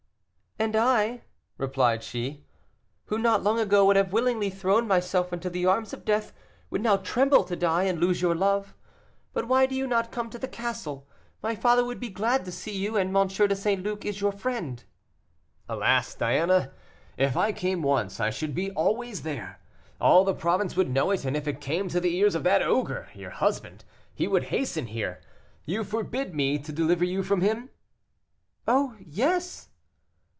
"And I," replied she, "who not long ago would have willingly thrown myself into the arms of death, would now tremble to die and lose your love. But why do you not come to the castle? My father would be glad to see you, and M. de St. Luc is your friend." "Alas, Diana, if I came once, I should be always there; all the province would know it, and if it came to the ears of that ogre, your husband, he would hasten here. You forbid me to deliver you from him " "Oh, yes!"